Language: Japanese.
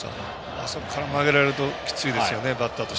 あそこから曲げられるときついですよね。